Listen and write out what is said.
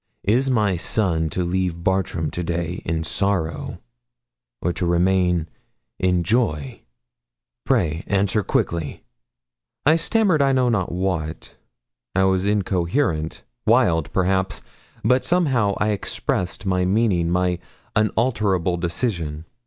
Is my son to leave Bartram to day in sorrow, or to remain in joy? Pray answer quickly.' I stammered I know not what. I was incoherent wild, perhaps; but somehow I expressed my meaning my unalterable decision.